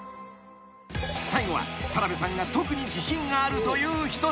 ［最後は田辺さんが特に自信があるという一品］